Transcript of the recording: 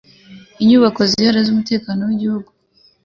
inyubako zihariye z umutekano w igihugu